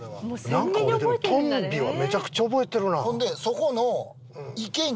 何か俺でもトンビはめちゃくちゃ覚えてるな。